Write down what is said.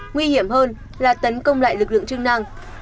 nguy hiểm hơn là tấn công lại lực lượng chức năng